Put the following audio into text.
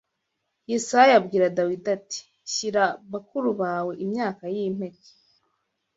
Yesayi abwira Dawidi ati shyira bakuru bawe imyaka y’impeke